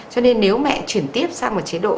cho nên nếu mẹ chuyển tiếp sang một chế độ